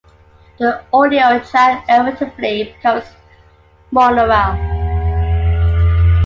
The audio track effectively becomes monaural.